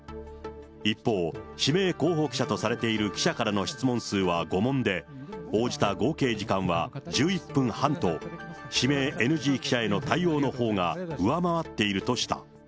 一方、指名候補記者とされている記者からの質問数は５問で、応じた合計時間は１１分半と、指名ＮＧ記者への対応のほうが上回っているとした。